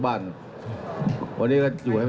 จากธนาคารกรุงเทพฯ